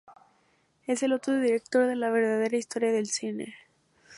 Es el otro director de La verdadera historia del cine.